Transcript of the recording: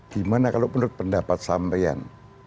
gimana kalau menurut pendapat sampean